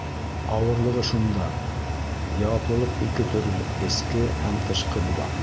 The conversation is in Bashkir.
Ауырлығы шунда: яуаплылыҡ ике төрлө — эске һәм тышҡы — була.